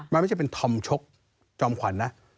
มันไม่ใช่เป็นธอมชกจอมขวัญนะ